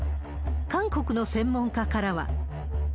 韓国の専門家からは。